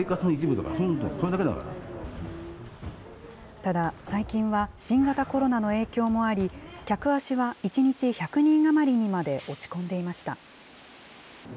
ただ、最近は新型コロナの影響もあり、客足は１日１００人余りにまで落ち込んでいました。